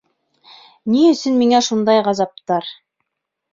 Ни өсөн миңә шундай ғазаптар?